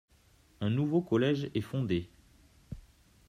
Un nouveau collège est fondé.